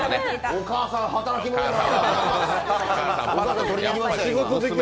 お母さん、働きもんやな。